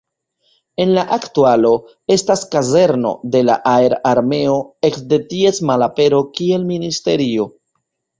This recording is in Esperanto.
En la aktualo estas kazerno de la Aer-Armeo, ekde ties malapero kiel ministerio.